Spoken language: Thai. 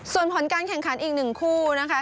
ส่วนผลการแข่งขันอีก๑คู่นะคะ